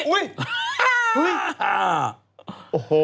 โอ้โฮ